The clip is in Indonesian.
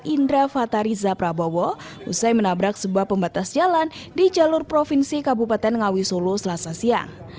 indra fatariza prabowo usai menabrak sebuah pembatas jalan di jalur provinsi kabupaten ngawi solo selasa siang